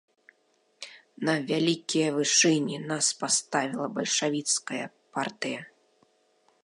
На вялікія вышыні нас паставіла бальшавіцкая партыя.